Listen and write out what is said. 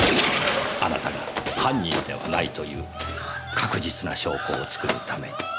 あなたが犯人ではないという確実な証拠を作るために。